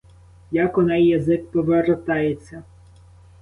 Як у неї язик повертається?